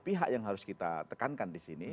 pihak yang harus kita tekankan disini